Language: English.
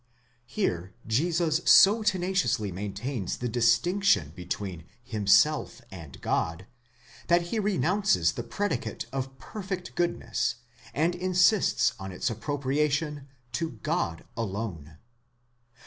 Here Jesus so tenaciously maintains the distinction between himself and God, that he renounces the predicate of (perfect) goodness, and insists on its appropriation to God alone.